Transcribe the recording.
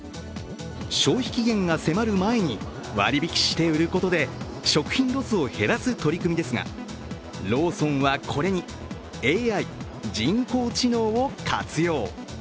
消費期限が迫る前に割引きして売ることで食品ロスを減らす取り組みですがローソンは、これにＡＩ＝人工知能を活用。